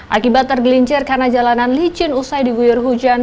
akibat tergelincir karena jalanan licin usai diguyur hujan